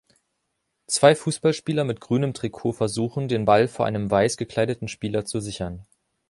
Zwei Fußballspieler mit grünem Trikot versuchen, den Fußball vor einem weiß gekleideten Spieler zu sichern.